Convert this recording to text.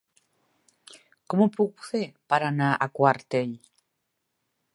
Com ho puc fer per anar a Quartell?